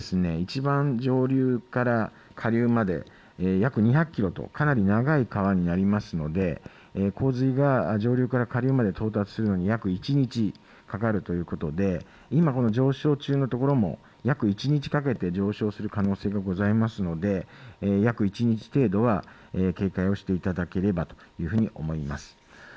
この一番上流から下流まで約２００キロとかなり長い川になりますので洪水が上流から下流まで到達するのに、約１日かかるということで上昇中の所も約１日かけて上昇する可能性がございますので約１日程度は警戒をしていただければというふうに思います。